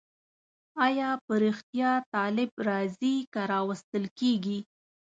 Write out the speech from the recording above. آیا په رښتیا طالب راځي که راوستل کېږي؟